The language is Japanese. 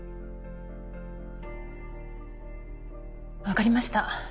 分かりました。